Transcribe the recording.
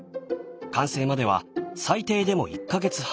完成までは最低でも１か月半。